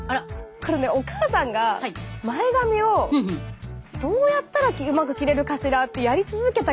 これねお母さんが前髪をどうやったらうまく切れるかしらってやり続けた結果